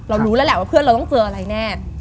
รู้แล้วแหละว่าเพื่อนเราต้องเจออะไรแน่